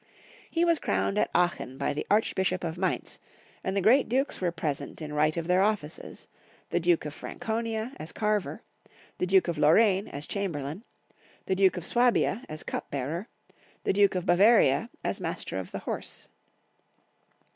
He was crowned at Aachen by the arch bishop of Mainz, and the great dukes were present in right of their ofl&ces — the Duke of Franconia, as carver ; the Duke of Lorraine, as chamberlain ; the Duke of Swabia, as cup bearer; the Duke of Bavaria, as master of the horse.